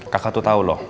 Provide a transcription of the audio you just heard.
kakak tuh tau loh